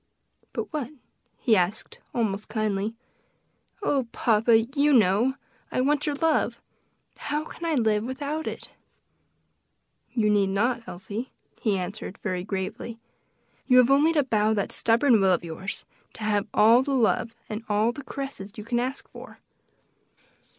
"But what?" he asked almost kindly. "Oh, papa! you know! I want your love. How can I live without it?" "You need not, Elsie," he answered very gravely, "you have only to bow that stubborn will of yours, to have all the love and all the caresses you can ask for."